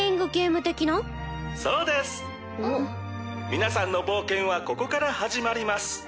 皆さんの冒険はここから始まります。